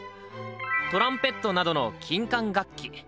トランペットなどの金管楽器。